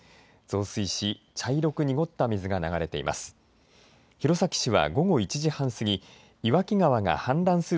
増水し茶色く濁った水が流れています。